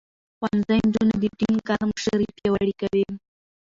ښوونځی نجونې د ټيم کار مشري پياوړې کوي.